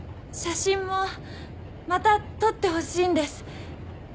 写真もまた撮ってほしいんです。